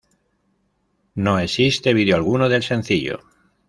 No existe video alguno del sencillo.